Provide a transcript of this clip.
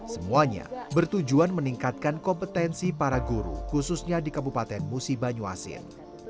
semuanya bertujuan meningkatkan kompetensi para guru khususnya di kabupaten musi banyuasin